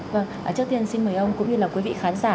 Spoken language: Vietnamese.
vâng trước tiên xin mời ông cũng như là quý vị khán giả